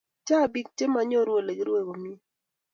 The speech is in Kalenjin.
Chang bik che manyoru Ole kirue komie